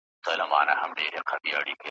نه هوسيو غوندي ښكلي نجوني غورځي `